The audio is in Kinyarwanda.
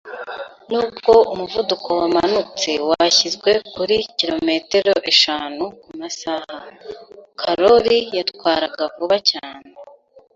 Nubwo umuvuduko wamanutse washyizwe kuri kilometero eshanu kumasaha, Karoli yatwaraga vuba cyane.